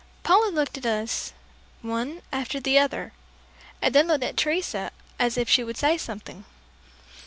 Paula looked at us, one after the other, and then looked at Teresa as if she would say something.